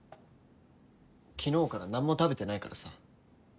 昨日から何も食べてないからさ。